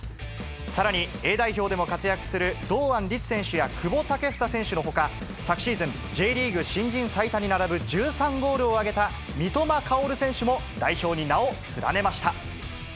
さらに、Ａ代表でも活躍する堂安律選手や久保建英選手のほか、昨シーズン、Ｊリーグ新人最多に並ぶ１３ゴールを挙げた三笘薫選手も代表に名を連ねました。